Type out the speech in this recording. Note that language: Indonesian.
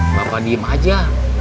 bapak diem aja